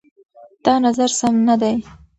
دا نظر سم نه دی.